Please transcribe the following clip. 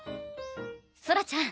ソラちゃん